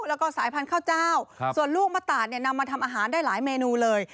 แล้วก็สายพันธุ์ข้าวเจ้าส่วนลูกมะตาดเนี่ยนำมาทำอาหารได้หลายเมนูเลย